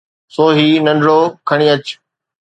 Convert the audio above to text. سو هي ننڍڙو کڻي اچ.